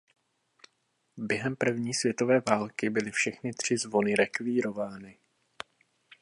Během první světové války byly všechny tři zvony rekvírovány.